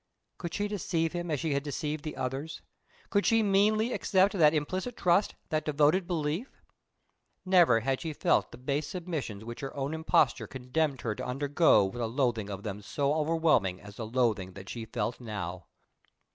Could she deceive him as she had deceived the others? Could she meanly accept that implicit trust, that devoted belief? Never had she felt the base submissions which her own imposture condemned her to undergo with a loathing of them so overwhelming as the loathing that she felt now.